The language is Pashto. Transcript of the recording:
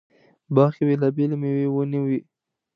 باغ کې بېلابېلې مېوې ونې وې.